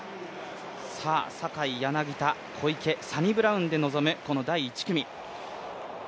坂井、柳田、小池、サニブラウンで臨むこの第１組。